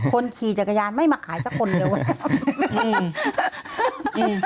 คนขี่จักรยานไม่มาขายสักคนเดียวอะ